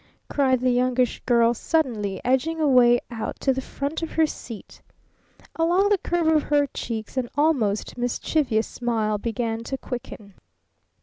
cried the Youngish Girl suddenly, edging away out to the front of her seat. Along the curve of her cheeks an almost mischievous smile began to quicken.